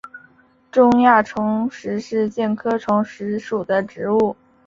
中亚虫实是苋科虫实属的植物。